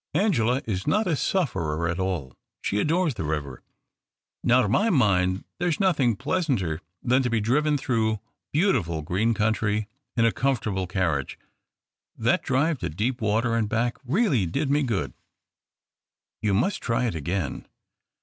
Angela is not a sufferer at all. She adores the river. Now to my mind there is nothing pleasanter than to be driven through l^eautiful green country in a comfortable carriage. That drive to Deepwater and back really did me good." " You must try it again."